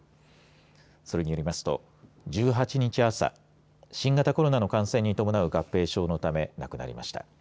それによりますと１８日、朝新型コロナの感染に伴う合併症のため亡くなりました。